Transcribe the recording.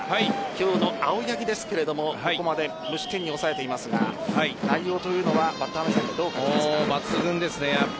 今日の青柳ですがここまで無失点に抑えていますが内容というのはバッター目線で抜群ですね。